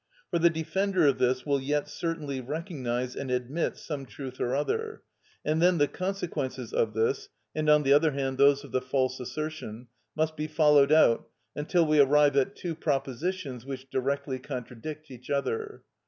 For the defender of this will yet certainly recognise and admit some truth or other, and then the consequences of this, and on the other hand those of the false assertion, must be followed out until we arrive at two propositions which directly contradict each other.